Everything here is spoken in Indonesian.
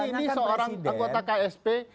ini seorang anggota ksp